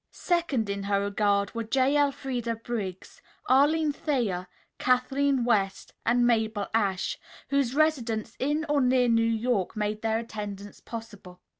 Second in her regard were J. Elfreda Briggs, Arline Thayer, Kathleen West and Mabel Ashe, whose residence in or near New York made their attendance possible.